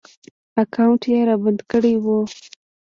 اکاونټ ېې رابند کړی و